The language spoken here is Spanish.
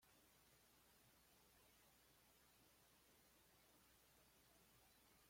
En su cima está la bella estatua de "La Madre de Dios".